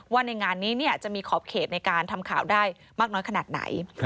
ว่าในงานนี้จะมีขอบเขตในการทำข่าวได้มากน้อยขนาดไหน